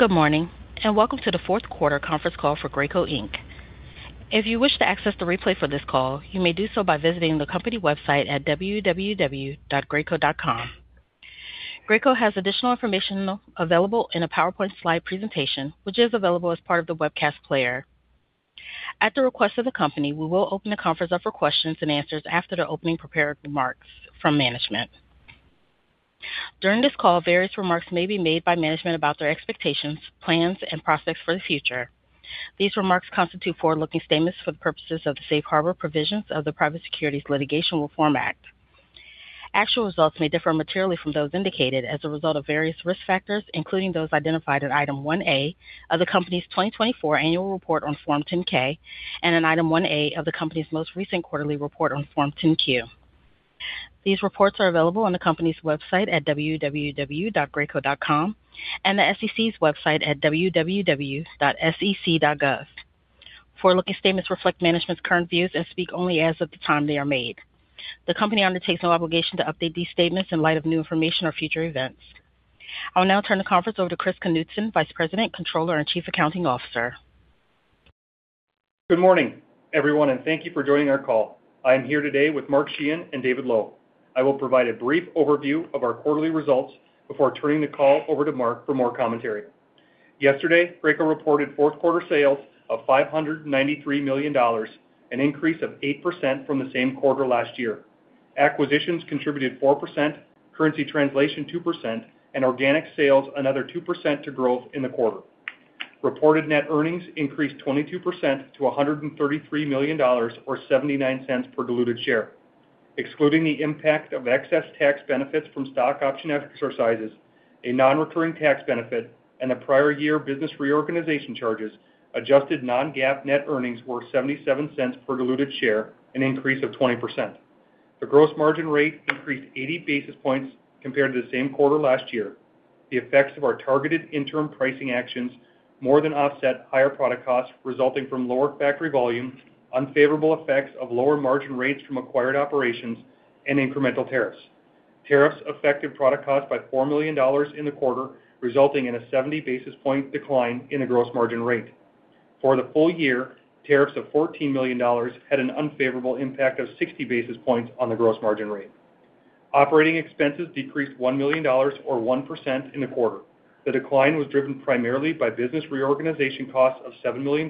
Good morning, and welcome to the fourth quarter conference call for Graco Inc. If you wish to access the replay for this call, you may do so by visiting the company website at www.graco.com. Graco has additional information available in a PowerPoint slide presentation, which is available as part of the webcast player. At the request of the company, we will open the conference up for questions and answers after the opening prepared remarks from management. During this call, various remarks may be made by management about their expectations, plans, and prospects for the future. These remarks constitute forward-looking statements for the purposes of the Safe Harbor Provisions of the Private Securities Litigation Reform Act. Actual results may differ materially from those indicated as a result of various risk factors, including those identified in Item 1A of the company's 2024 annual report on Form 10-K and in Item 1A of the company's most recent quarterly report on Form 10-Q. These reports are available on the company's website at www.graco.com and the SEC's website at www.sec.gov. Forward-looking statements reflect management's current views and speak only as of the time they are made. The company undertakes no obligation to update these statements in light of new information or future events. I'll now turn the conference over to Chris Knutson, Vice President, Controller, and Chief Accounting Officer. Good morning, everyone, and thank you for joining our call. I am here today with Mark Sheahan and David Lowe. I will provide a brief overview of our quarterly results before turning the call over to Mark for more commentary. Yesterday, Graco reported fourth quarter sales of $593 million, an increase of 8% from the same quarter last year. Acquisitions contributed 4%, currency translation, 2%, and organic sales, another 2% to growth in the quarter. Reported net earnings increased 22% to $133 million, or $0.79 per diluted share. Excluding the impact of excess tax benefits from stock option exercises, a non-recurring tax benefit and the prior year business reorganization charges, adjusted non-GAAP net earnings were $0.77 per diluted share, an increase of 20%. The gross margin rate increased 80 basis points compared to the same quarter last year. The effects of our targeted interim pricing actions more than offset higher product costs, resulting from lower factory volumes, unfavorable effects of lower margin rates from acquired operations, and incremental tariffs. Tariffs affected product costs by $4 million in the quarter, resulting in a 70 basis point decline in the gross margin rate. For the full year, tariffs of $14 million had an unfavorable impact of 60 basis points on the gross margin rate. Operating expenses decreased $1 million, or 1% in the quarter. The decline was driven primarily by business reorganization costs of $7 million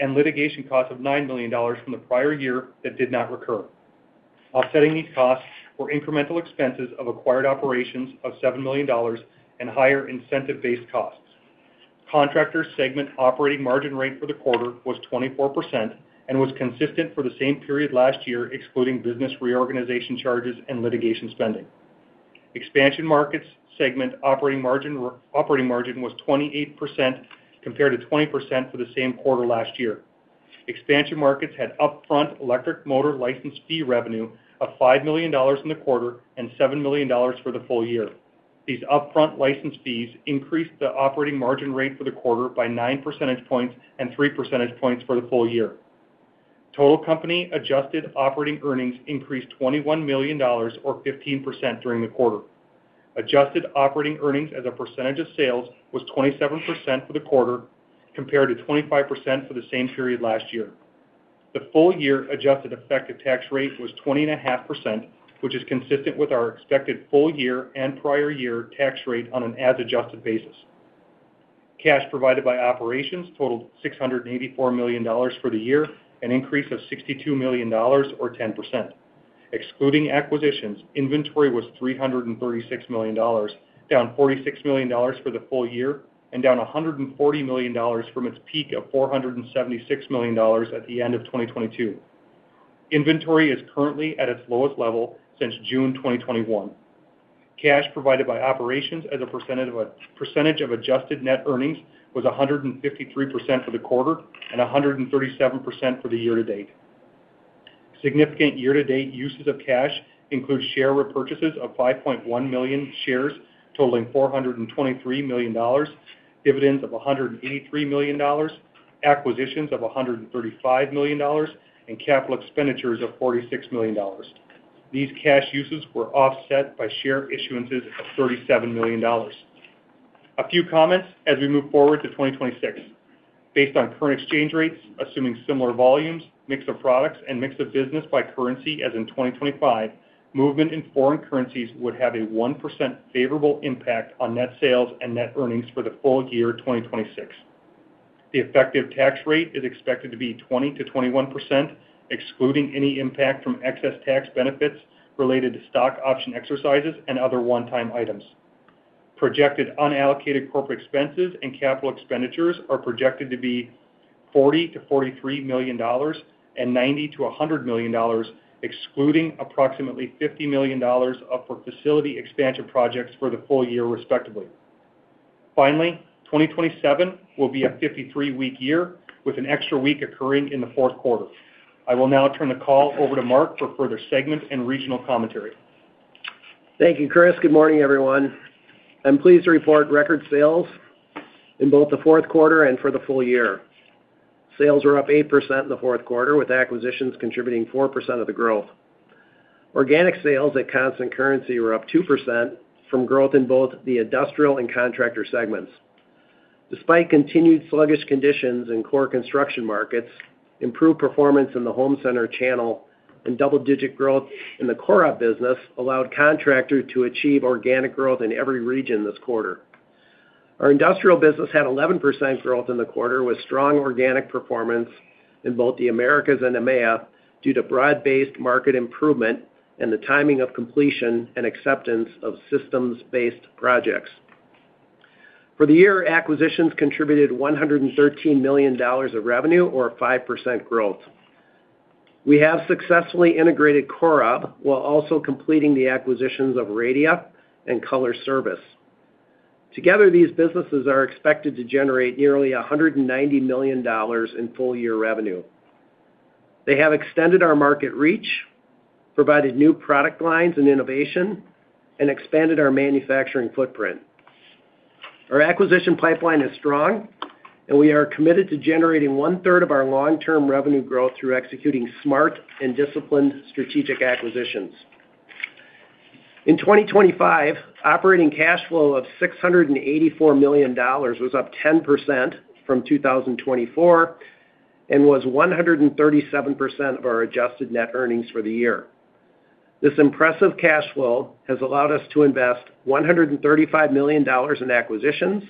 and litigation costs of $9 million from the prior year that did not recur. Offsetting these costs were incremental expenses of acquired operations of $7 million and higher incentive-based costs. Contractor segment operating margin rate for the quarter was 24% and was consistent for the same period last year, excluding business reorganization charges and litigation spending. Expansion Markets segment operating margin, operating margin was 28%, compared to 20% for the same quarter last year. Expansion Markets had upfront electric motor license fee revenue of $5 million in the quarter and $7 million for the full year. These upfront license fees increased the operating margin rate for the quarter by 9 percentage points and 3 percentage points for the full year. Total company adjusted operating earnings increased $21 million or 15% during the quarter. Adjusted operating earnings as a percentage of sales was 27% for the quarter, compared to 25% for the same period last year. The full year adjusted effective tax rate was 20.5%, which is consistent with our expected full year and prior year tax rate on an as-adjusted basis. Cash provided by operations totaled $684 million for the year, an increase of $62 million, or 10%. Excluding acquisitions, inventory was $336 million, down $46 million for the full year and down $140 million from its peak of $476 million at the end of 2022. Inventory is currently at its lowest level since June 2021. Cash provided by operations as a percentage of adjusted net earnings was 153% for the quarter and 137% for the year to date. Significant year-to-date uses of cash include share repurchases of 5.1 million shares, totaling $423 million, dividends of $183 million, acquisitions of $135 million, and capital expenditures of $46 million. These cash uses were offset by share issuances of $37 million. A few comments as we move forward to 2026. Based on current exchange rates, assuming similar volumes, mix of products, and mix of business by currency as in 2025, movement in foreign currencies would have a 1% favorable impact on net sales and net earnings for the full year 2026. The effective tax rate is expected to be 20%-21%, excluding any impact from excess tax benefits related to stock option exercises and other one-time items. Projected unallocated corporate expenses and capital expenditures are projected to be $40 million -$43 million and $90 million -$100 million, excluding approximately $50 million up for facility expansion projects for the full year, respectively. Finally, 2027 will be a 53-week year, with an extra week occurring in the fourth quarter. I will now turn the call over to Mark for further segment and regional commentary. Thank you, Chris. Good morning, everyone. I'm pleased to report record sales in both the fourth quarter and for the full year. Sales are up 8% in the fourth quarter, with acquisitions contributing 4% of the growth. Organic sales at constant currency were up 2% from growth in both the industrial and contractor segments. Despite continued sluggish conditions in core construction markets, improved performance in the Home Center channel and double-digit growth in the COROB business allowed Contractor to achieve organic growth in every region this quarter. Our Industrial business had 11% growth in the quarter, with strong organic performance in both the Americas and EMEA, due to broad-based market improvement and the timing of completion and acceptance of systems-based projects. For the year, acquisitions contributed $113 million of revenue, or a 5% growth. We have successfully integrated COROB, while also completing the acquisitions of Radia and Color Service. Together, these businesses are expected to generate nearly $190 million in full-year revenue. They have extended our market reach, provided new product lines and innovation, and expanded our manufacturing footprint. Our acquisition pipeline is strong, and we are committed to generating one-third of our long-term revenue growth through executing smart and disciplined strategic acquisitions. In 2025, operating cash flow of $684 million was up 10% from 2024, and was 137% of our adjusted net earnings for the year. This impressive cash flow has allowed us to invest $135 million in acquisitions,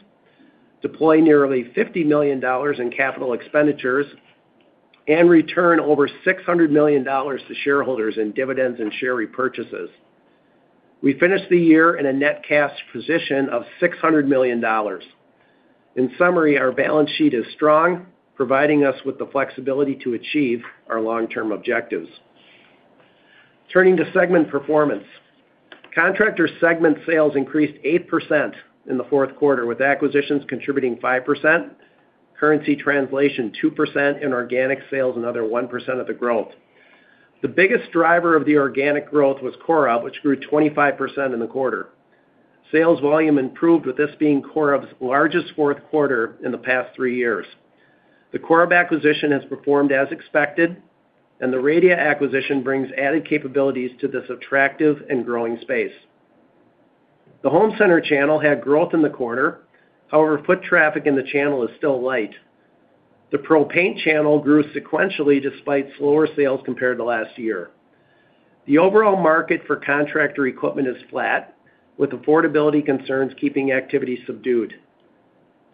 deploy nearly $50 million in capital expenditures, and return over $600 million to shareholders in dividends and share repurchases. We finished the year in a net cash position of $600 million. In summary, our balance sheet is strong, providing us with the flexibility to achieve our long-term objectives. Turning to segment performance. Contractor segment sales increased 8% in the fourth quarter, with acquisitions contributing 5%, currency translation 2%, and organic sales another 1% of the growth. The biggest driver of the organic growth was COROB, which grew 25% in the quarter. Sales volume improved, with this being COROB's largest fourth quarter in the past three years. The COROB acquisition has performed as expected, and the Radia acquisition brings added capabilities to this attractive and growing space. The Home Center channel had growth in the quarter. However, foot traffic in the channel is still light. The Pro Paint channel grew sequentially, despite slower sales compared to last year. The overall market for contractor equipment is flat, with affordability concerns keeping activity subdued.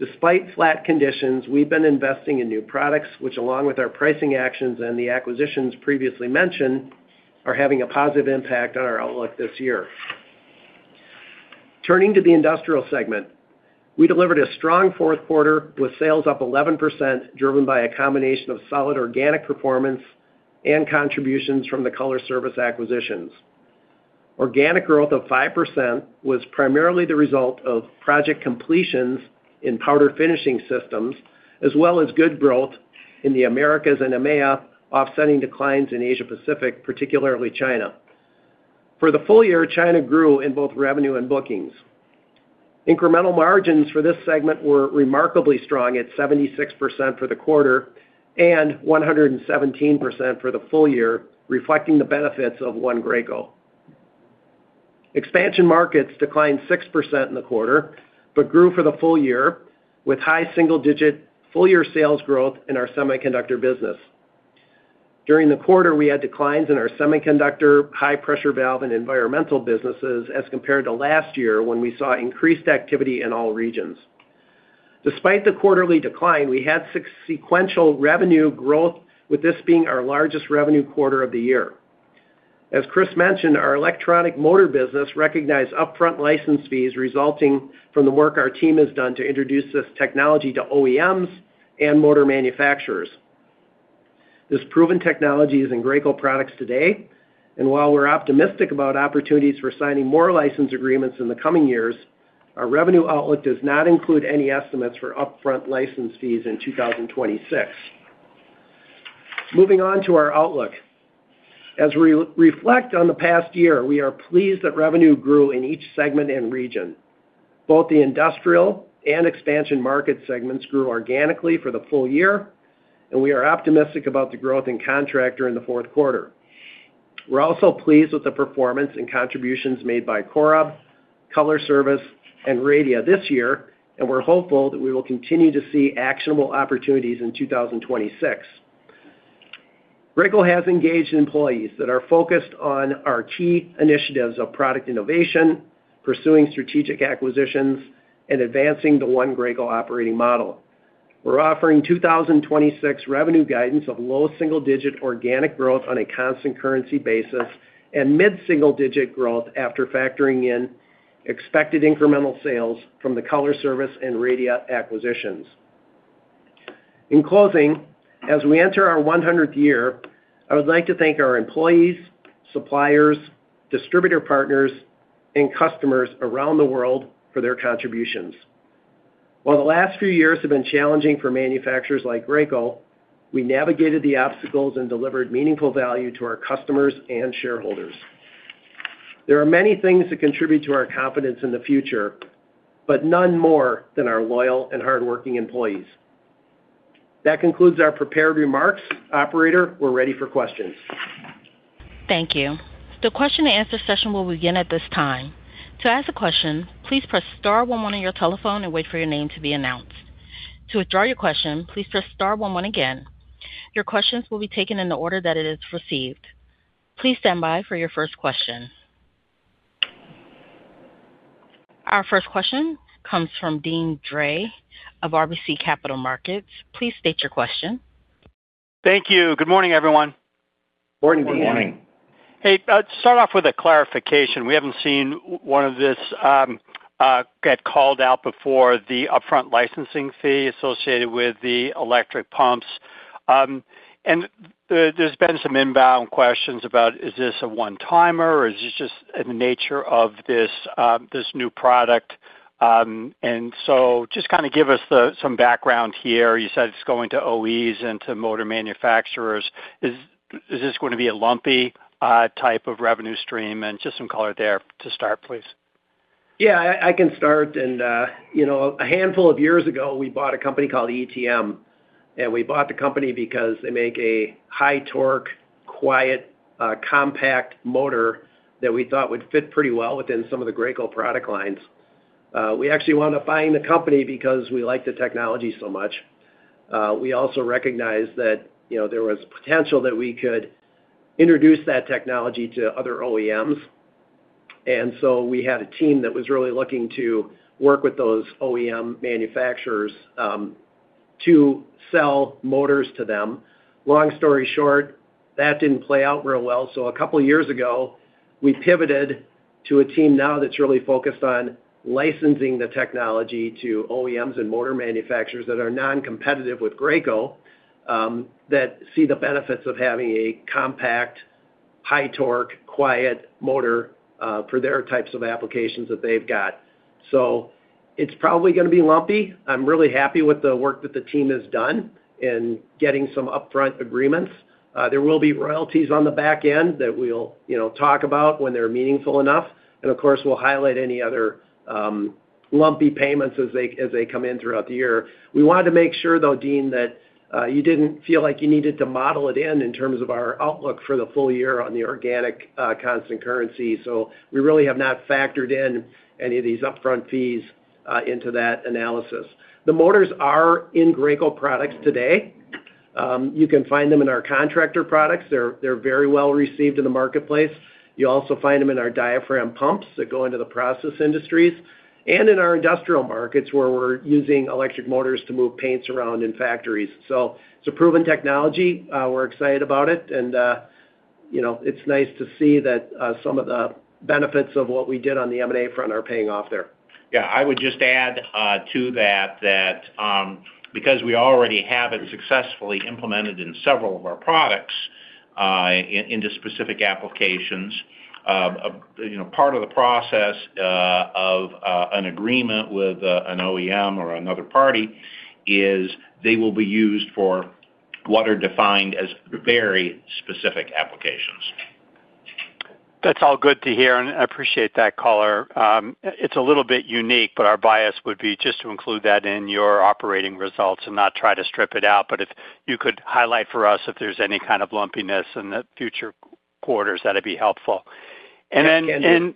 Despite flat conditions, we've been investing in new products, which, along with our pricing actions and the acquisitions previously mentioned, are having a positive impact on our outlook this year. Turning to the Industrial segment, we delivered a strong fourth quarter, with sales up 11%, driven by a combination of solid organic performance and contributions from the Color Service acquisitions. Organic growth of 5% was primarily the result of project completions in powder finishing systems, as well as good growth in the Americas and EMEA, offsetting declines in Asia-Pacific, particularly China. For the full year, China grew in both revenue and bookings. Incremental margins for this segment were remarkably strong at 76% for the quarter and 117% for the full year, reflecting the benefits of One Graco. Expansion Markets declined 6% in the quarter, but grew for the full year, with high single-digit full-year sales growth in our semiconductor business. During the quarter, we had declines in our semiconductor, high pressure valve, and environmental businesses as compared to last year, when we saw increased activity in all regions. Despite the quarterly decline, we had sequential revenue growth, with this being our largest revenue quarter of the year. As Chris mentioned, our electronic motor business recognized upfront license fees resulting from the work our team has done to introduce this technology to OEMs and motor manufacturers. This proven technology is in Graco products today, and while we're optimistic about opportunities for signing more license agreements in the coming years, our revenue outlook does not include any estimates for upfront license fees in 2026. Moving on to our outlook. As we reflect on the past year, we are pleased that revenue grew in each segment and region. Both the Industrial and Expansion Markets segments grew organically for the full year, and we are optimistic about the growth in Contractor in the fourth quarter. We're also pleased with the performance and contributions made by COROB, Color Service, and Radia this year, and we're hopeful that we will continue to see actionable opportunities in 2026. Graco has engaged employees that are focused on our key initiatives of product innovation, pursuing strategic acquisitions, and advancing the One Graco operating model. We're offering 2026 revenue guidance of low single-digit organic growth on a constant currency basis and mid-single digit growth after factoring in expected incremental sales from the Color Service and Radia acquisitions. In closing, as we enter our 100th year, I would like to thank our employees, suppliers, distributor partners, and customers around the world for their contributions. While the last few years have been challenging for manufacturers like Graco, we navigated the obstacles and delivered meaningful value to our customers and shareholders. There are many things that contribute to our confidence in the future, but none more than our loyal and hardworking employees.... That concludes our prepared remarks. Operator, we're ready for questions. Thank you. The question-and-answer session will begin at this time. To ask a question, please press star one on your telephone and wait for your name to be announced. To withdraw your question, please press star one one again. Your questions will be taken in the order that it is received. Please stand by for your first question. Our first question comes from Deane Dray of RBC Capital Markets. Please state your question. Thank you. Good morning, everyone. Good morning. Good morning. Hey, to start off with a clarification, we haven't seen one of this get called out before, the upfront licensing fee associated with the electric pumps. And there, there's been some inbound questions about, is this a one-timer, or is this just the nature of this, this new product? And so just kind of give us the some background here. You said it's going to OEMs and to motor manufacturers. Is, is this going to be a lumpy, type of revenue stream? And just some color there to start, please. Yeah, I can start. You know, a handful of years ago, we bought a company called ETM, and we bought the company because they make a high torque, quiet, compact motor that we thought would fit pretty well within some of the Graco product lines. We actually wound up buying the company because we liked the technology so much. We also recognized that, you know, there was potential that we could introduce that technology to other OEMs. And so we had a team that was really looking to work with those OEM manufacturers, to sell motors to them. Long story short, that didn't play out real well. So a couple years ago, we pivoted to a team now that's really focused on licensing the technology to OEMs and motor manufacturers that are non-competitive with Graco, that see the benefits of having a compact, high torque, quiet motor, for their types of applications that they've got. So it's probably gonna be lumpy. I'm really happy with the work that the team has done in getting some upfront agreements. There will be royalties on the back end that we'll, you know, talk about when they're meaningful enough. And of course, we'll highlight any other, lumpy payments as they come in throughout the year. We wanted to make sure, though, Deane, that you didn't feel like you needed to model it in terms of our outlook for the full year on the organic, constant currency. So we really have not factored in any of these upfront fees into that analysis. The motors are in Graco products today. You can find them in our contractor products. They're very well received in the marketplace. You also find them in our diaphragm pumps that go into the process industries and in our industrial markets, where we're using electric motors to move paints around in factories. So it's a proven technology. We're excited about it, and you know, it's nice to see that some of the benefits of what we did on the M&A front are paying off there. Yeah, I would just add to that because we already have it successfully implemented in several of our products into specific applications, you know, part of the process of an agreement with an OEM or another party is they will be used for what are defined as very specific applications. That's all good to hear, and I appreciate that color. It's a little bit unique, but our bias would be just to include that in your operating results and not try to strip it out. But if you could highlight for us, if there's any kind of lumpiness in the future quarters, that'd be helpful. Yes, can do. And then,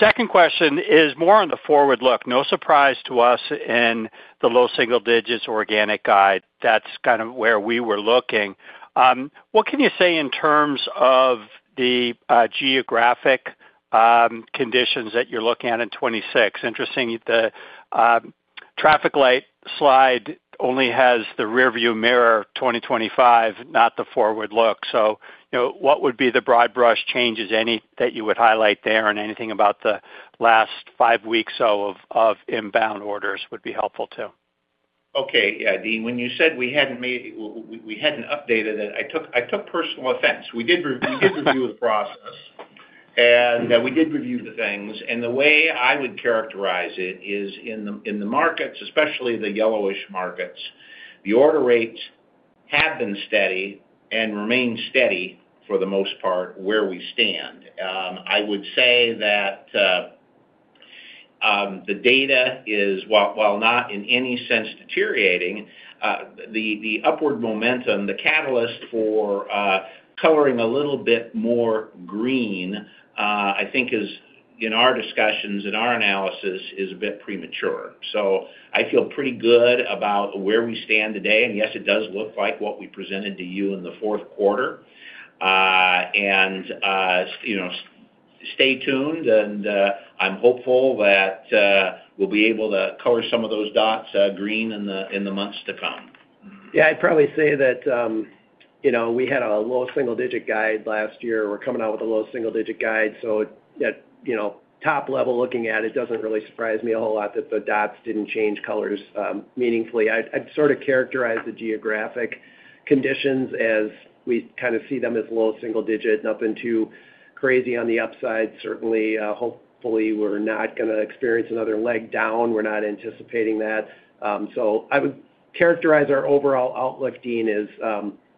second question is more on the forward look. No surprise to us in the low single digits organic guide. That's kind of where we were looking. What can you say in terms of the geographic conditions that you're looking at in 2026? Interesting, the traffic light slide only has the rearview mirror, 2025, not the forward look. So, you know, what would be the broad brush changes, any, that you would highlight there? And anything about the last five weeks or so of inbound orders would be helpful, too. Okay. Yeah, Deane, when you said we hadn't updated it, I took personal offense. We did review the process, and we did review the things. And the way I would characterize it is, in the markets, especially the yellowish markets, the order rates have been steady and remain steady for the most part, where we stand. I would say that the data is, while not in any sense deteriorating, the upward momentum, the catalyst for coloring a little bit more green, I think is, in our discussions and our analysis, is a bit premature. So I feel pretty good about where we stand today, and yes, it does look like what we presented to you in the fourth quarter. You know, stay tuned, and I'm hopeful that we'll be able to color some of those dots green in the months to come. Yeah, I'd probably say that, you know, we had a low single-digit guide last year. We're coming out with a low single-digit guide, so it, that, you know, top level looking at it, doesn't really surprise me a whole lot that the dots didn't change colors, meaningfully. I'd, I'd sort of characterize the geographic conditions as we kind of see them as low single-digit, nothing too crazy on the upside. Certainly, hopefully, we're not gonna experience another leg down. We're not anticipating that. So I would characterize our overall outlook, Dean, as,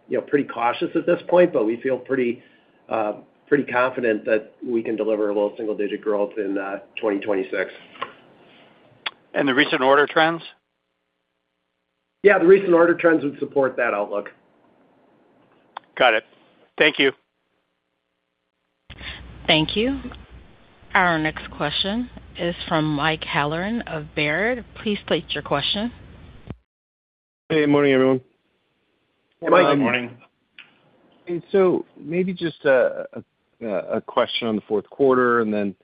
you know, pretty cautious at this point, but we feel pretty, pretty confident that we can deliver a low single-digit growth in, 2026. And the recent order trends? Yeah, the recent order trends would support that outlook. Got it. Thank you. Thank you. Our next question is from Mike Halloran of Baird. Please state your question. Hey, good morning, everyone. Good morning. Good morning. So maybe just a question on the fourth quarter, and then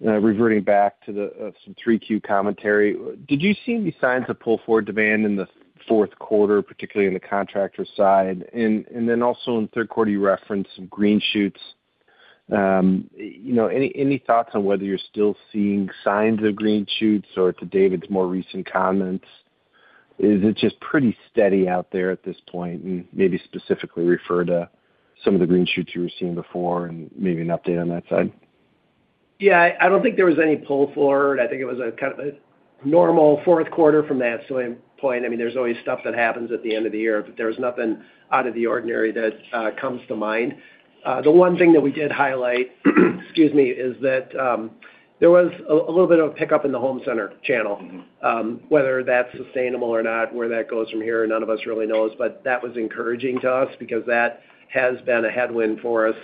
reverting back to the some 3Q commentary. Did you see any signs of pull-forward demand in the fourth quarter, particularly in the contractor side? And then also in third quarter, you referenced some green shoots. You know, any thoughts on whether you're still seeing signs of green shoots, or to David's more recent comments, is it just pretty steady out there at this point? And maybe specifically refer to some of the green shoots you were seeing before and maybe an update on that side. Yeah, I don't think there was any pull forward. I think it was a kind of a normal fourth quarter from that same point. I mean, there's always stuff that happens at the end of the year, but there was nothing out of the ordinary that comes to mind. The one thing that we did highlight, excuse me, is that there was a little bit of a pickup in the home center channel. Whether that's sustainable or not, where that goes from here, none of us really knows. But that was encouraging to us because that has been a headwind for us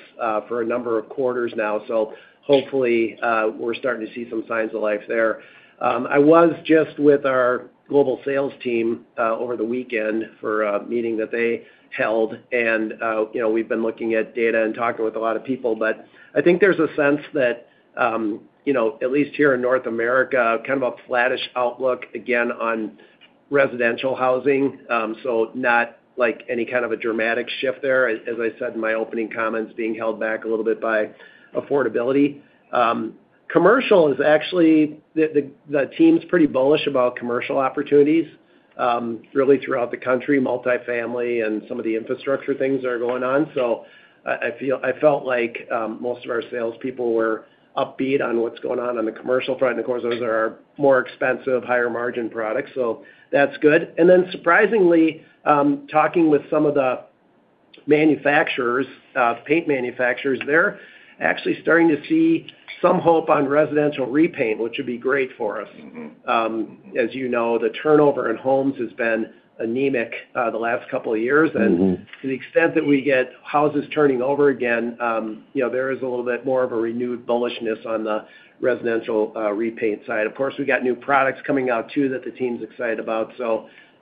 for a number of quarters now. So hopefully, we're starting to see some signs of life there. I was just with our global sales team over the weekend for a meeting that they held, and you know, we've been looking at data and talking with a lot of people. But I think there's a sense that you know, at least here in North America, kind of a flattish outlook, again, on residential housing. So not like any kind of a dramatic shift there, as I said in my opening comments, being held back a little bit by affordability. Commercial is actually... The team's pretty bullish about commercial opportunities really throughout the country, multifamily and some of the infrastructure things that are going on. So I felt like most of our salespeople were upbeat on what's going on on the commercial front, and of course, those are our more expensive, higher margin products, so that's good. And then surprisingly, talking with some of the manufacturers, paint manufacturers, they're actually starting to see some hope on residential repaint, which would be great for us. As you know, the turnover in homes has been anemic, the last couple of years. To the extent that we get houses turning over again, you know, there is a little bit more of a renewed bullishness on the residential repaint side. Of course, we've got new products coming out, too, that the team's excited about.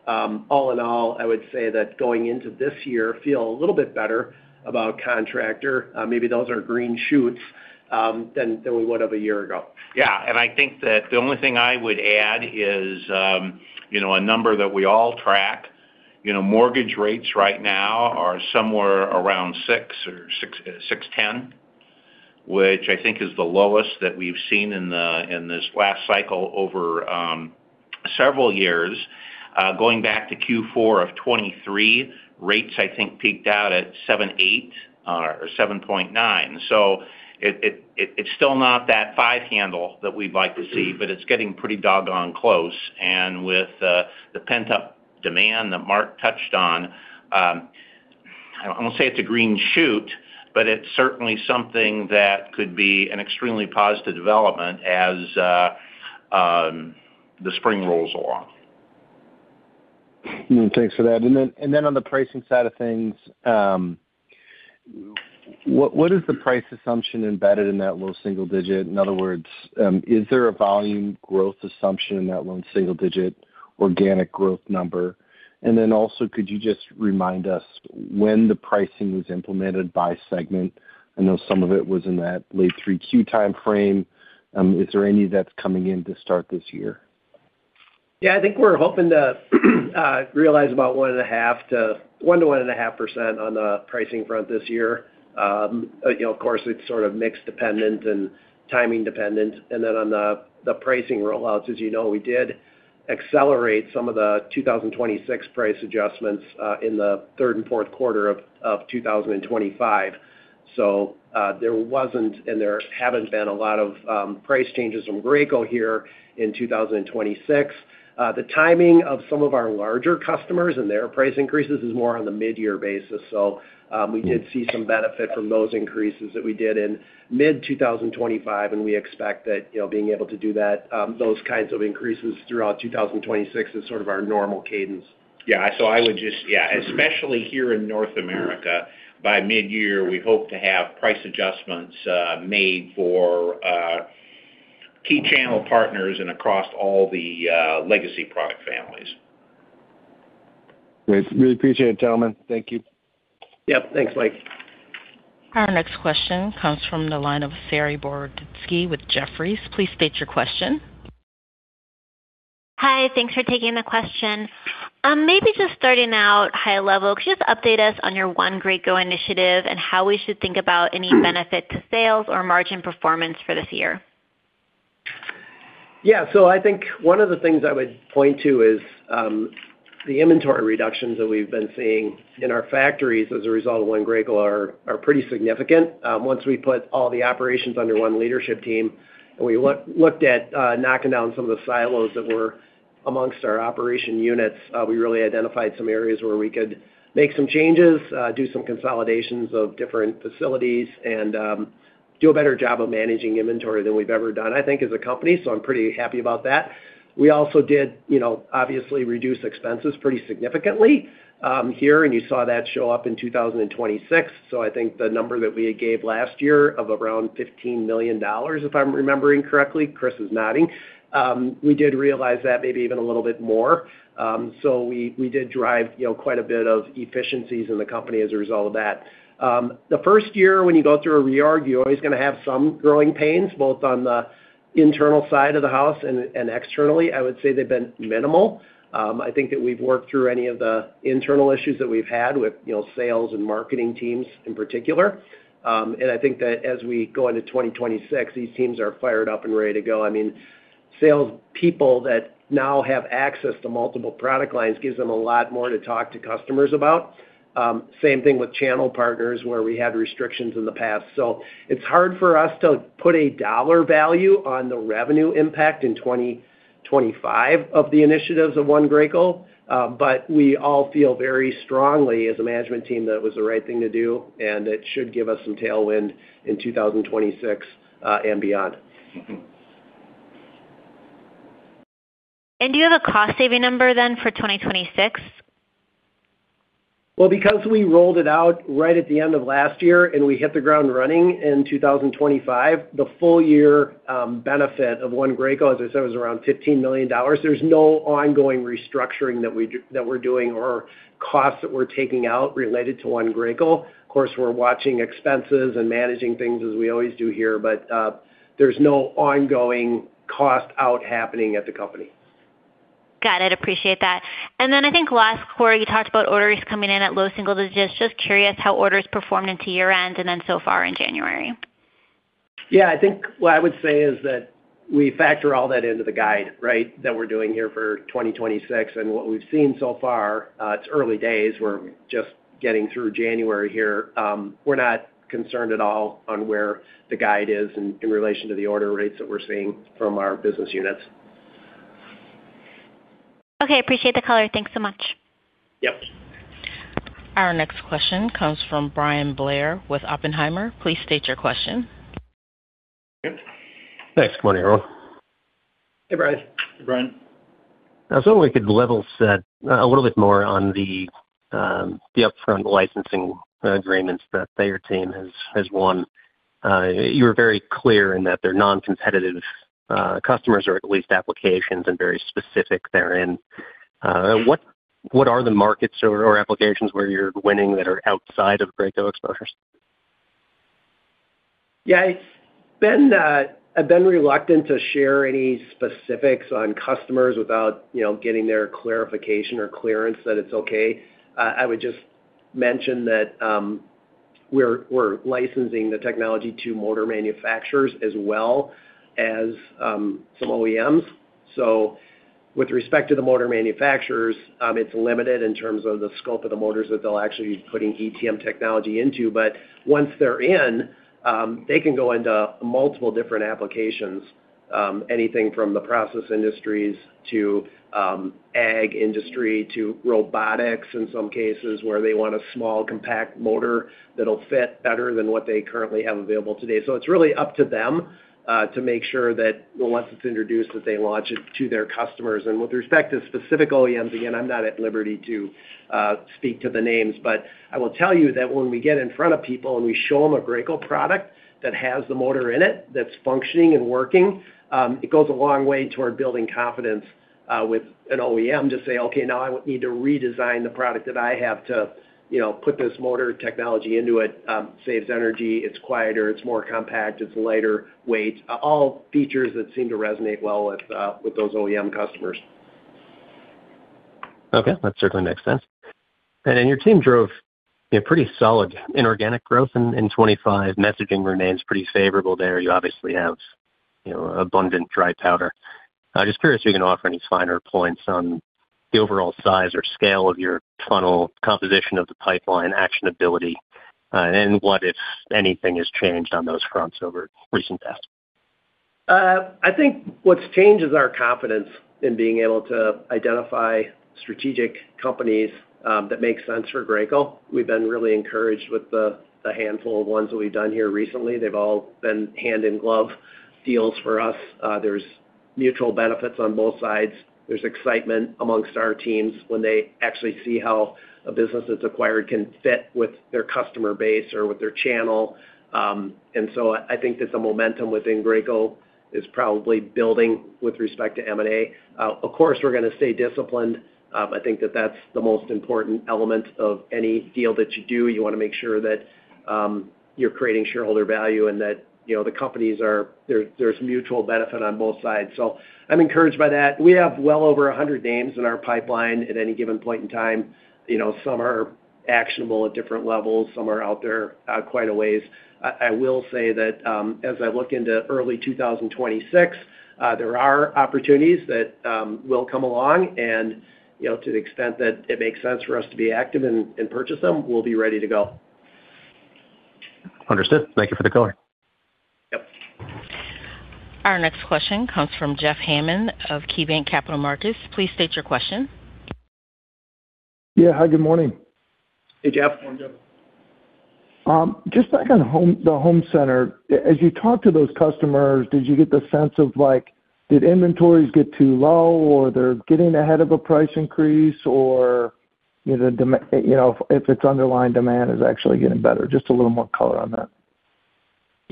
All in all, I would say that going into this year, feel a little bit better about contractor, maybe those are green shoots, than we would have a year ago. Yeah, and I think that the only thing I would add is, you know, a number that we all track. You know, mortgage rates right now are somewhere around 6 or 6.10, which I think is the lowest that we've seen in the, in this last cycle over, several years. Going back to Q4 of 2023, rates, I think, peaked out at 7.8 or 7.9. So it, it, it's still not that 5 handle that we'd like to see but it's getting pretty doggone close. And with the pent-up demand that Mark touched on, I won't say it's a green shoot, but it's certainly something that could be an extremely positive development as the spring rolls along. Thanks for that. And then on the pricing side of things, what is the price assumption embedded in that low single digit? In other words, is there a volume growth assumption in that low single digit organic growth number? And then also, could you just remind us when the pricing was implemented by segment? I know some of it was in that late 3Q timeframe. Is there any that's coming in to start this year? Yeah, I think we're hoping to realize about 1.5 to 1 to 1.5% on the pricing front this year. You know, of course, it's sort of mix dependent and timing dependent. And then on the pricing rollouts, as you know, we did accelerate some of the 2026 price adjustments in the third and fourth quarter of 2025. So, there wasn't, and there haven't been a lot of price changes from Graco here in 2026. The timing of some of our larger customers and their price increases is more on the mid-year basis. So, we did see some benefit from those increases that we did in mid-2025, and we expect that, you know, being able to do that, those kinds of increases throughout 2026 is sort of our normal cadence. Yeah. So I would just—yeah, especially here in North America, by mid-year, we hope to have price adjustments made for key channel partners and across all the legacy product families. Great. Really appreciate it, gentlemen. Thank you. Yep. Thanks, Mike. Our next question comes from the line of Saree Boroditsky with Jefferies. Please state your question. Hi, thanks for taking the question. Maybe just starting out high level, could you just update us on your One Graco initiative and how we should think about any benefit to sales or margin performance for this year? Yeah, so I think one of the things I would point to is the inventory reductions that we've been seeing in our factories as a result of One Graco are pretty significant. Once we put all the operations under one leadership team and we looked at knocking down some of the silos that were amongst our operation units, we really identified some areas where we could make some changes, do some consolidations of different facilities, and do a better job of managing inventory than we've ever done, I think, as a company. So I'm pretty happy about that. We also did, you know, obviously, reduce expenses pretty significantly here, and you saw that show up in 2026. So I think the number that we gave last year of around $15 million, if I'm remembering correctly, Chris is nodding. We did realize that maybe even a little bit more. We did drive, you know, quite a bit of efficiencies in the company as a result of that. The first year, when you go through a reorg, you're always gonna have some growing pains, both on the internal side of the house and externally. I would say they've been minimal. I think that we've worked through any of the internal issues that we've had with, you know, sales and marketing teams in particular. I think that as we go into 2026, these teams are fired up and ready to go. I mean, sales people that now have access to multiple product lines gives them a lot more to talk to customers about. Same thing with channel partners, where we had restrictions in the past. So it's hard for us to put a dollar value on the revenue impact in 2025 of the initiatives of One Graco, but we all feel very strongly as a management team that it was the right thing to do, and it should give us some tailwind in 2026, and beyond. Do you have a cost-saving number then for 2026? Well, because we rolled it out right at the end of last year, and we hit the ground running in 2025, the full year benefit of One Graco, as I said, was around $15 million. There's no ongoing restructuring that we're doing or costs that we're taking out related to One Graco. Of course, we're watching expenses and managing things as we always do here, but there's no ongoing cost-out happening at the company. Got it. Appreciate that. And then I think last quarter, you talked about orders coming in at low single digits. Just curious how orders performed into year-end and then so far in January? Yeah, I think what I would say is that we factor all that into the guide, right, that we're doing here for 2026. What we've seen so far, it's early days. We're just getting through January here. We're not concerned at all on where the guide is in relation to the order rates that we're seeing from our business units. Okay, appreciate the color. Thanks so much. Yep. Our next question comes from Bryan Blair with Oppenheimer. Please state your question. Thanks. Good morning, everyone. Hey, Brian. Hey, Brian. I was wondering if we could level set a little bit more on the upfront licensing agreements that your team has won. You were very clear in that they're non-competitive customers or at least applications and very specific therein. What are the markets or applications where you're winning that are outside of Graco exposures? Yeah, it's been. I've been reluctant to share any specifics on customers without, you know, getting their clarification or clearance that it's okay. I would just mention that, we're licensing the technology to motor manufacturers as well as some OEMs. So with respect to the motor manufacturers, it's limited in terms of the scope of the motors that they'll actually be putting ETM technology into, but once they're in, they can go into multiple different applications, anything from the process industries to ag industry to robotics in some cases where they want a small, compact motor that'll fit better than what they currently have available today. So it's really up to them to make sure that once it's introduced, that they launch it to their customers. And with respect to specific OEMs, again, I'm not at liberty to speak to the names, but I will tell you that when we get in front of people and we show them a Graco product that has the motor in it, that's functioning and working, it goes a long way toward building confidence with an OEM to say, "Okay, now I would need to redesign the product that I have to, you know, put this motor technology into it. Saves energy, it's quieter, it's more compact, it's lighter weight." All features that seem to resonate well with with those OEM customers. Okay, that certainly makes sense. And then your team drove a pretty solid inorganic growth in 2025. Messaging remains pretty favorable there. You obviously have, you know, abundant dry powder. I'm just curious if you can offer any finer points on the overall size or scale of your funnel, composition of the pipeline, actionability, and what, if anything, has changed on those fronts over recent tests. I think what's changed is our confidence in being able to identify strategic companies that make sense for Graco. We've been really encouraged with the handful of ones that we've done here recently. They've all been hand-in-glove deals for us. There's mutual benefits on both sides. There's excitement amongst our teams when they actually see how a business that's acquired can fit with their customer base or with their channel. And so I think that the momentum within Graco is probably building with respect to M&A. Of course, we're gonna stay disciplined. I think that that's the most important element of any deal that you do. You wanna make sure that you're creating shareholder value and that, you know, the companies are—there, there's mutual benefit on both sides. So I'm encouraged by that. We have well over 100 names in our pipeline at any given point in time. You know, some are actionable at different levels, some are out there quite a ways. I will say that, as I look into early 2026, there are opportunities that will come along, and, you know, to the extent that it makes sense for us to be active and purchase them, we'll be ready to go. Understood. Thank you for the color. Our next question comes from Jeff Hammond of KeyBanc Capital Markets. Please state your question. Yeah. Hi, good morning. Hey, Jeff. Good morning, Jeff. Just back on home, the home center. As you talk to those customers, did you get the sense of like, did inventories get too low, or they're getting ahead of a price increase, or, you know, if its underlying demand is actually getting better? Just a little more color on that.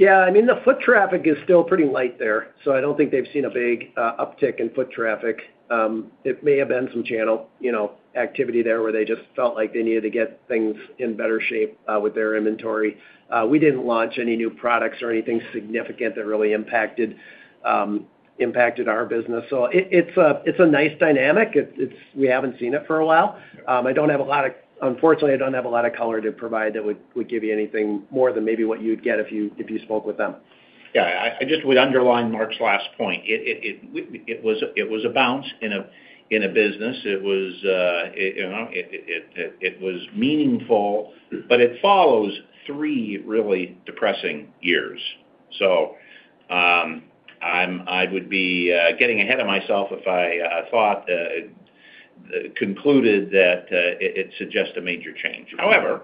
Yeah, I mean, the foot traffic is still pretty light there, so I don't think they've seen a big uptick in foot traffic. It may have been some channel, you know, activity there, where they just felt like they needed to get things in better shape with their inventory. We didn't launch any new products or anything significant that really impacted our business. So it's a nice dynamic. It's -- We haven't seen it for a while. Unfortunately, I don't have a lot of color to provide that would give you anything more than maybe what you'd get if you spoke with them. Yeah, I just would underline Mark's last point. It was a bounce in a business. It was, you know, meaningful, but it follows three really depressing years. So, I would be getting ahead of myself if I concluded that it suggests a major change. However,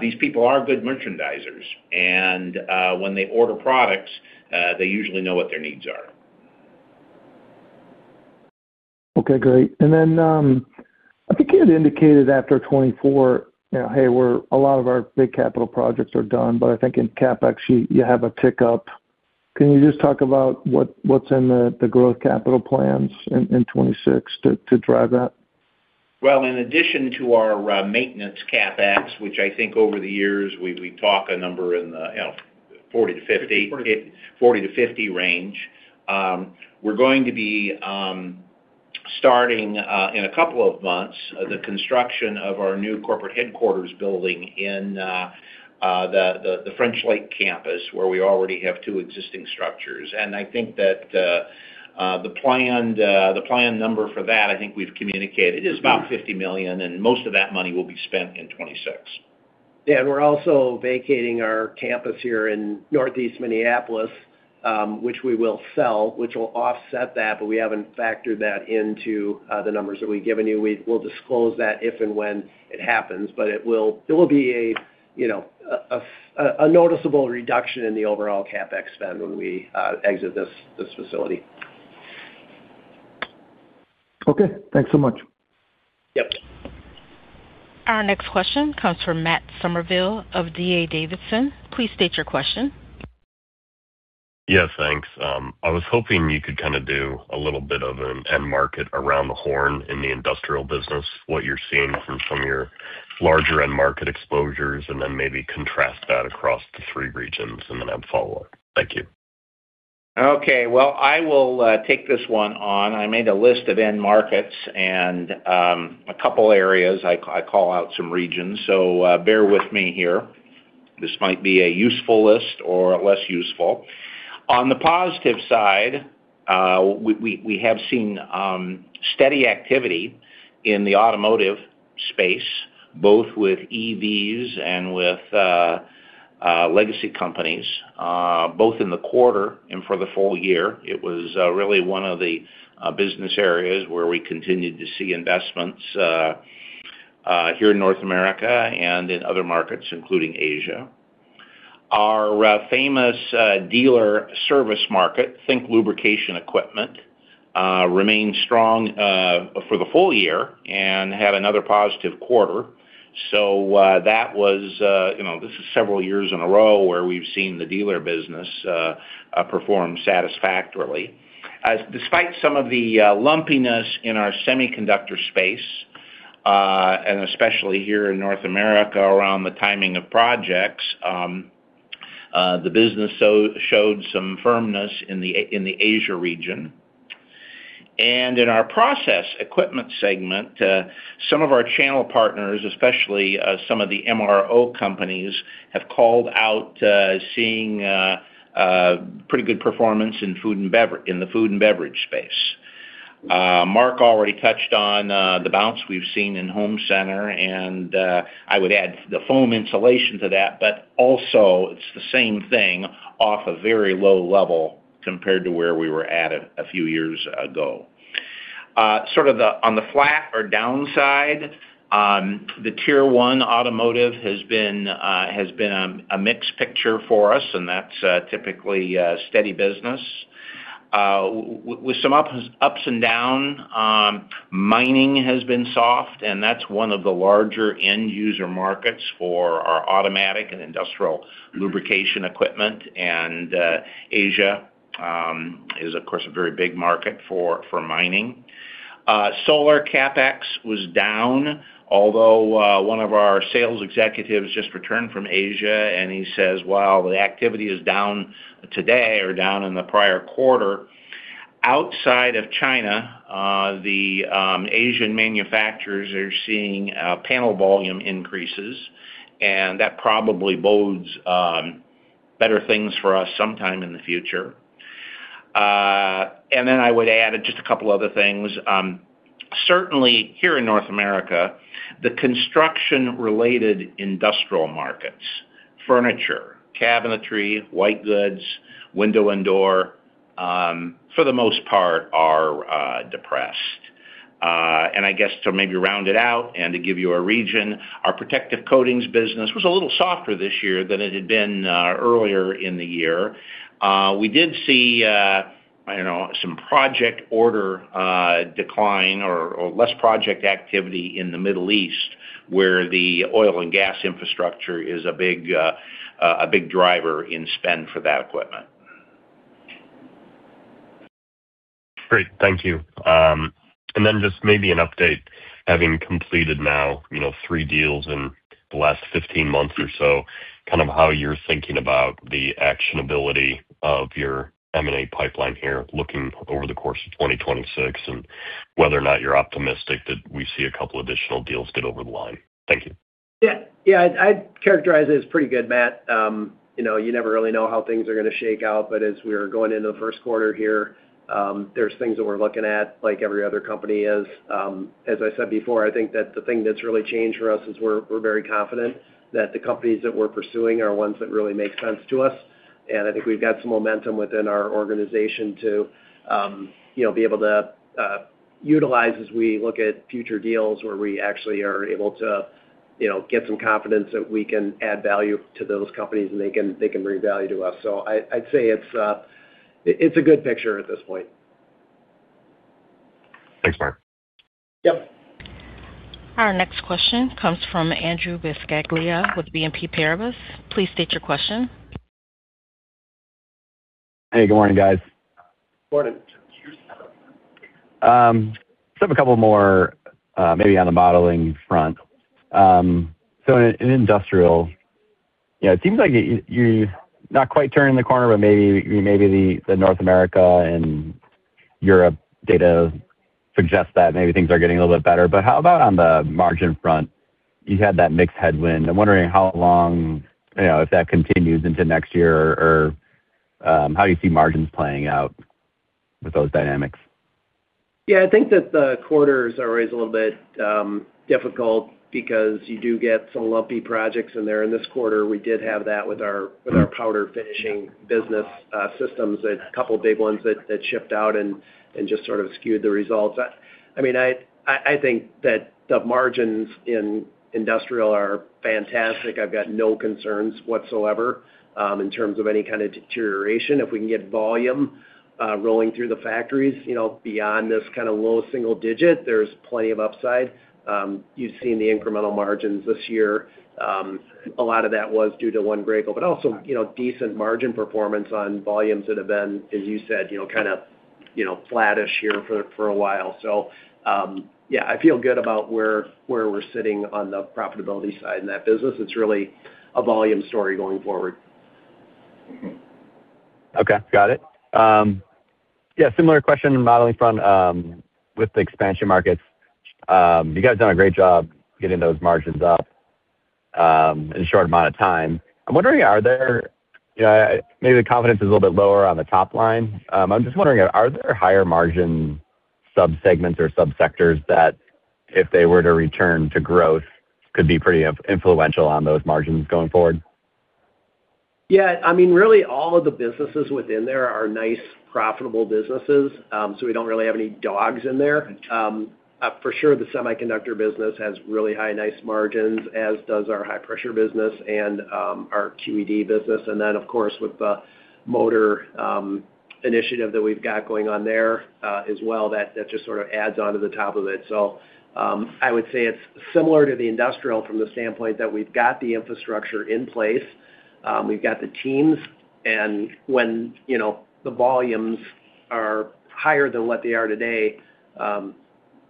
these people are good merchandisers, and when they order products, they usually know what their needs are. Okay, great. And then, I think you had indicated after 2024, you know, hey, we're a lot of our big capital projects are done, but I think in CapEx, you, you have a pickup. Can you just talk about what, what's in the, the growth capital plans in, in 2026 to, to drive that? Well, in addition to our maintenance CapEx, which I think over the years, we talk a number in the, you know, 40-50, 40-50 range. We're going to be starting in a couple of months the construction of our new corporate headquarters building in the French Lake campus, where we already have two existing structures. And I think that the planned number for that, I think we've communicated, is about $50 million, and most of that money will be spent in 2026. Yeah, and we're also vacating our campus here in Northeast Minneapolis, which we will sell, which will offset that, but we haven't factored that into the numbers that we've given you. We will disclose that if and when it happens, but it will be a, you know, a noticeable reduction in the overall CapEx spend when we exit this facility. Okay, thanks so much. Yep. Our next question comes from Matt Summerville of D.A. Davidson. Please state your question. Yeah, thanks. I was hoping you could kind of do a little bit of an end market around the horn in the industrial business, what you're seeing from some of your larger end market exposures, and then maybe contrast that across the three regions, and then I have a follow-up. Thank you. Okay, well, I will take this one on. I made a list of end markets and a couple areas, I call out some regions, so bear with me here. This might be a useful list or less useful. On the positive side, we have seen steady activity in the automotive space, both with EVs and with legacy companies, both in the quarter and for the full year. It was really one of the business areas where we continued to see investments here in North America and in other markets, including Asia. Our famous dealer service market, think lubrication equipment, remained strong for the full year and had another positive quarter. So, you know, this is several years in a row where we've seen the dealer business perform satisfactorily. Despite some of the lumpiness in our semiconductor space, and especially here in North America, around the timing of projects, the business showed some firmness in the Asia region. And in our process equipment segment, some of our channel partners, especially, some of the MRO companies, have called out seeing a pretty good performance in food and beverage, in the food and beverage space. Mark already touched on the bounce we've seen in home center, and I would add the foam insulation to that, but also it's the same thing off a very low level compared to where we were at a few years ago. Sort of, on the flat or downside, the Tier 1 automotive has been a mixed picture for us, and that's typically a steady business. With some ups and downs, mining has been soft, and that's one of the larger end user markets for our automatic and industrial lubrication equipment. Asia is of course a very big market for mining. Solar CapEx was down, although one of our sales executives just returned from Asia, and he says, "While the activity is down today or down in the prior quarter, outside of China, the Asian manufacturers are seeing panel volume increases," and that probably bodes better things for us sometime in the future. And then I would add just a couple other things. Certainly, here in North America, the construction-related industrial markets, furniture, cabinetry, white goods, window and door, for the most part are depressed. And I guess to maybe round it out and to give you a region, our protective coatings business was a little softer this year than it had been earlier in the year. We did see, I don't know, some project order decline or less project activity in the Middle East, where the oil and gas infrastructure is a big driver in spend for that equipment. Great. Thank you. And then just maybe an update, having completed now, you know, three deals in the last 15 months or so, kind of how you're thinking about the actionability of your M&A pipeline here, looking over the course of 2026, and whether or not you're optimistic that we see a couple additional deals get over the line? Thank you. Yeah. Yeah, I'd characterize it as pretty good, Matt. You know, you never really know how things are going to shake out, but as we're going into the first quarter here, there's things that we're looking at, like every other company is. As I said before, I think that the thing that's really changed for us is we're very confident that the companies that we're pursuing are ones that really make sense to us. And I think we've got some momentum within our organization to, you know, be able to utilize as we look at future deals where we actually are able to, you know, get some confidence that we can add value to those companies, and they can bring value to us. So I'd say it's a good picture at this point. Thanks, Mark. Yep. Our next question comes from Andrew Buscaglia with BNP Paribas. Please state your question. Hey, good morning, guys. Morning. Just have a couple more, maybe on the modeling front. So in industrial, you know, it seems like you, you're not quite turning the corner, but maybe the North America and Europe data suggests that maybe things are getting a little bit better. But how about on the margin front? You had that mixed headwind. I'm wondering how long, you know, if that continues into next year or, how you see margins playing out with those dynamics. Yeah, I think that the quarters are always a little bit difficult because you do get some lumpy projects in there. In this quarter, we did have that with our powder finishing business systems, a couple of big ones that shipped out and just sort of skewed the results. I mean, I think that the margins in industrial are fantastic. I've got no concerns whatsoever in terms of any kind of deterioration. If we can get volume rolling through the factories, you know, beyond this kind of low single digit, there's plenty of upside. You've seen the incremental margins this year. A lot of that was due to One Graco, but also, you know, decent margin performance on volumes that have been, as you said, you know, kind of flattish here for a while. Yeah, I feel good about where we're sitting on the profitability side in that business. It's really a volume story going forward. Okay, got it. Yeah, similar question in modeling front, with the Expansion Markets. You guys have done a great job getting those margins up, in a short amount of time. I'm wondering, are there, you know, maybe the confidence is a little bit lower on the top line. I'm just wondering, are there higher margin subsegments or subsectors that if they were to return to growth, could be pretty influential on those margins going forward? Yeah, I mean, really, all of the businesses within there are nice, profitable businesses, so we don't really have any dogs in there. For sure, the semiconductor business has really high, nice margins, as does our high-pressure business and, our QED business. And then, of course, with the motor initiative that we've got going on there, as well, that just sort of adds onto the top of it. So, I would say it's similar to the industrial from the standpoint that we've got the infrastructure in place, we've got the teams, and when, you know, the volumes are higher than what they are today,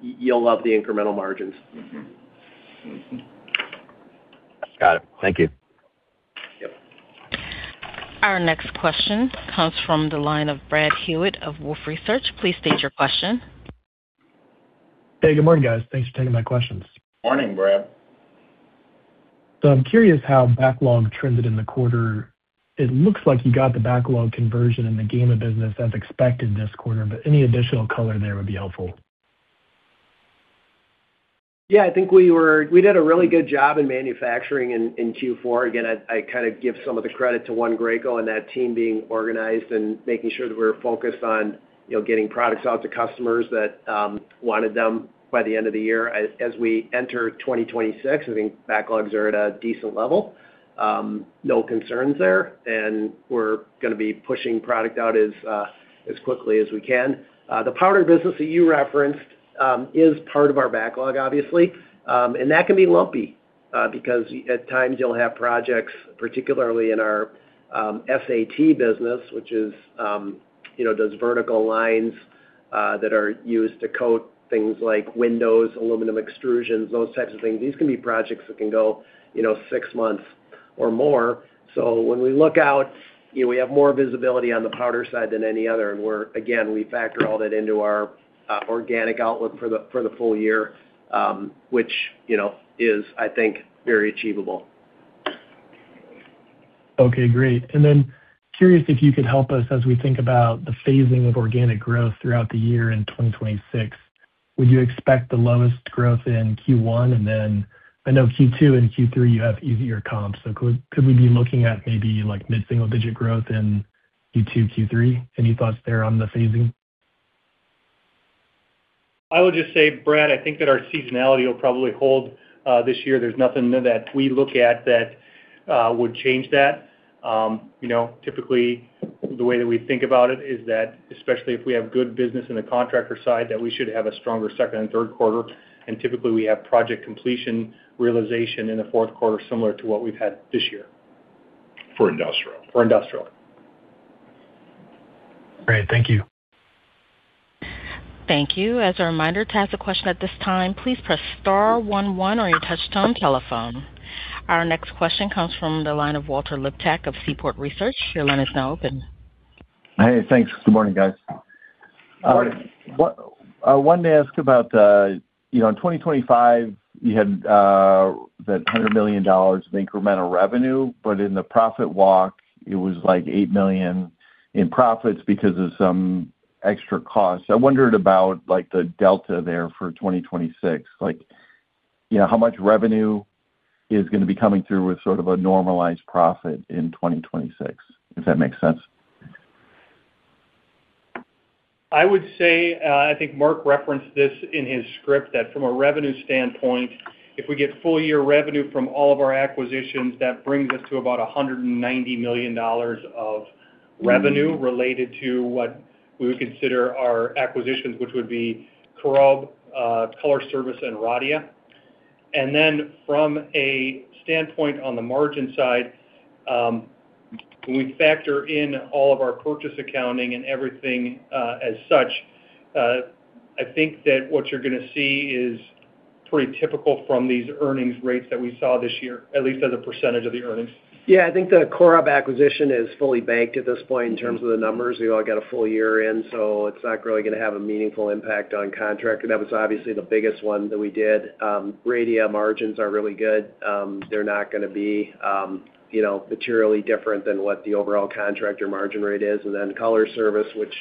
you'll love the incremental margins. Got it. Thank you. Yep. Our next question comes from the line of Brad Hewitt of Wolfe Research. Please state your question. Hey, good morning, guys. Thanks for taking my questions. Morning, Brad. So I'm curious how backlog trended in the quarter. It looks like you got the backlog conversion in the Gema business as expected this quarter, but any additional color there would be helpful. Yeah, I think we did a really good job in manufacturing in Q4. Again, I kind of give some of the credit to One Graco and that team being organized and making sure that we're focused on, you know, getting products out to customers that wanted them by the end of the year. As we enter 2026, I think backlogs are at a decent level. No concerns there, and we're going to be pushing product out as quickly as we can. The powder business that you referenced is part of our backlog, obviously. And that can be lumpy because at times you'll have projects, particularly in our SAT business, which is, you know, those vertical lines that are used to coat things like windows, aluminum extrusions, those types of things. These can be projects that can go, you know, six months or more. So when we look out, you know, we have more visibility on the powder side than any other, and we're, again, we factor all that into our organic outlook for the full year, which, you know, is, I think, very achievable.... Okay, great. And then curious if you could help us as we think about the phasing of organic growth throughout the year in 2026. Would you expect the lowest growth in Q1? And then I know Q2 and Q3, you have easier comps. So could, could we be looking at maybe like mid-single digit growth in Q2, Q3? Any thoughts there on the phasing? I would just say, Brad, I think that our seasonality will probably hold this year. There's nothing that we look at that would change that. You know, typically, the way that we think about it is that, especially if we have good business in the contractor side, that we should have a stronger second and third quarter, and typically, we have project completion realization in the fourth quarter, similar to what we've had this year. For industrial. For industrial. Great. Thank you. Thank you. As a reminder, to ask a question at this time, please press star one one on your touchtone telephone. Our next question comes from the line of Walter Liptak of Seaport Research. Your line is now open. Hey, thanks. Good morning, guys. Good morning. I wanted to ask about the, you know, in 2025, you had that $100 million of incremental revenue, but in the profit walk, it was like $8 million in profits because of some extra costs. I wondered about, like, the delta there for 2026. Like, you know, how much revenue is gonna be coming through with sort of a normalized profit in 2026, if that makes sense? I would say, I think Mark referenced this in his script, that from a revenue standpoint, if we get full year revenue from all of our acquisitions, that brings us to about $190 million of revenue related to what we would consider our acquisitions, which would be COROB, Color Service, and Radia. And then from a standpoint on the margin side, when we factor in all of our purchase accounting and everything, as such, I think that what you're gonna see is pretty typical from these earnings rates that we saw this year, at least as a percentage of the earnings. Yeah, I think the COROB acquisition is fully banked at this point in terms of the numbers. We all got a full year in, so it's not really gonna have a meaningful impact on contractor, and that was obviously the biggest one that we did. Radia margins are really good. They're not gonna be, you know, materially different than what the overall contractor margin rate is. And then, Color Service, which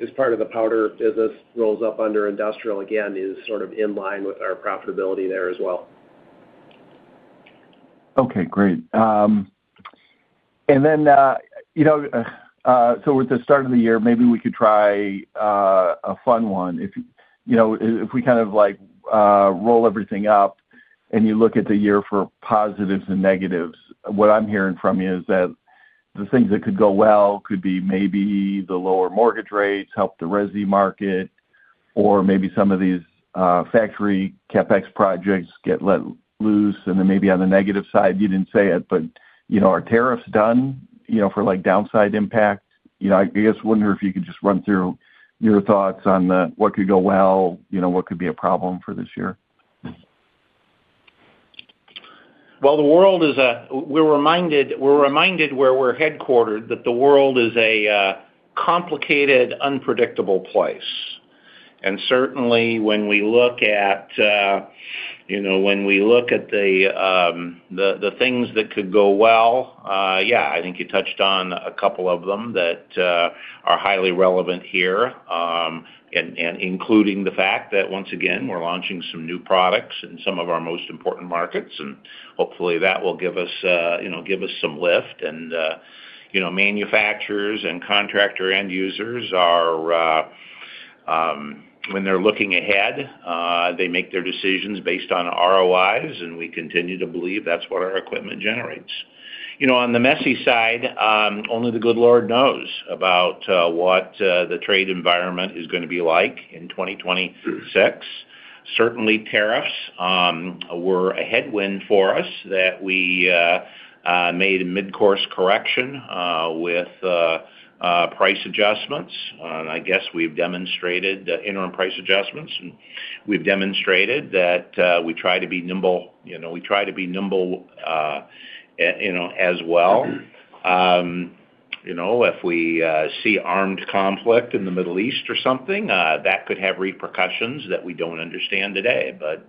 is part of the powder business, rolls up under industrial, again, is sort of in line with our profitability there as well. Okay, great. And then, you know, so with the start of the year, maybe we could try a fun one. If, you know, if we kind of like roll everything up and you look at the year for positives and negatives, what I'm hearing from you is that the things that could go well could be maybe the lower mortgage rates, help the resi market, or maybe some of these factory CapEx projects get let loose. And then maybe on the negative side, you didn't say it, but, you know, are tariffs done, you know, for, like, downside impact? You know, I just wonder if you could just run through your thoughts on the what could go well, you know, what could be a problem for this year? Well, the world is a. We're reminded, we're reminded where we're headquartered, that the world is a complicated, unpredictable place. And certainly, when we look at you know, when we look at the things that could go well, yeah, I think you touched on a couple of them that are highly relevant here, and including the fact that once again, we're launching some new products in some of our most important markets, and hopefully that will give us you know, give us some lift. And you know, manufacturers and contractor end users are when they're looking ahead, they make their decisions based on ROIs, and we continue to believe that's what our equipment generates. You know, on the messy side, only the good Lord knows about what the trade environment is gonna be like in 2026. Certainly, tariffs were a headwind for us, that we made a mid-course correction with price adjustments. And I guess we've demonstrated the interim price adjustments, and we've demonstrated that we try to be nimble, you know, we try to be nimble, you know, as well. You know, if we see armed conflict in the Middle East or something, that could have repercussions that we don't understand today. But,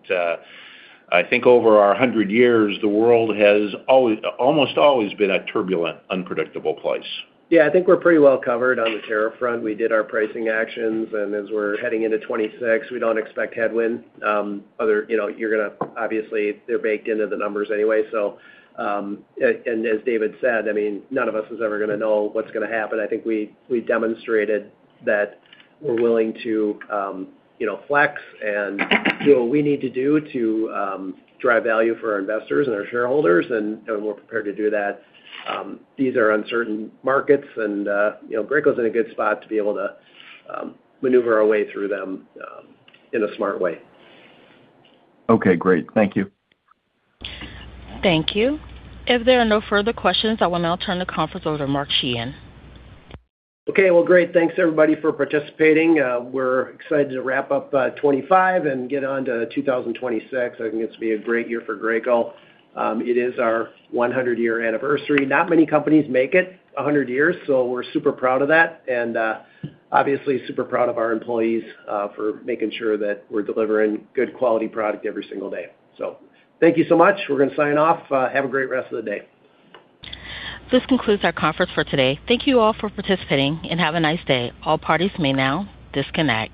I think over our 100 years, the world has almost always been a turbulent, unpredictable place. Yeah, I think we're pretty well covered on the tariff front. We did our pricing actions, and as we're heading into 2026, we don't expect headwind. You know, you're gonna obviously, they're baked into the numbers anyway, so, and as David said, I mean, none of us is ever gonna know what's gonna happen. I think we, we've demonstrated that we're willing to, you know, flex and do what we need to do to, drive value for our investors and our shareholders, and, and we're prepared to do that. These are uncertain markets, and, you know, Graco's in a good spot to be able to, maneuver our way through them, in a smart way. Okay, great. Thank you. Thank you. If there are no further questions, I will now turn the conference over to Mark Sheahan. Okay, well, great. Thanks, everybody, for participating. We're excited to wrap up 25 and get on to 2026. I think it's gonna be a great year for Graco. It is our 100-year anniversary. Not many companies make it 100 years, so we're super proud of that, and obviously, super proud of our employees for making sure that we're delivering good quality product every single day. So thank you so much. We're gonna sign off. Have a great rest of the day. This concludes our conference for today. Thank you all for participating, and have a nice day. All parties may now disconnect.